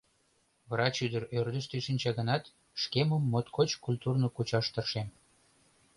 Врач ӱдыр ӧрдыжтӧ шинча гынат, шкемым моткоч культурно кучаш тыршем.